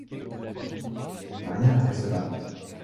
Il n'y a rien après cela.